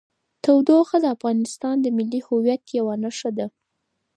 تودوخه د افغانستان د ملي هویت یوه نښه ده.